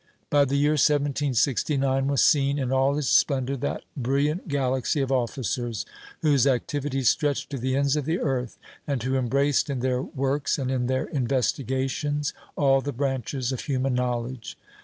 By the year 1769 was seen in all its splendor that brilliant galaxy of officers whose activity stretched to the ends of the earth, and who embraced in their works and in their investigations all the branches of human knowledge.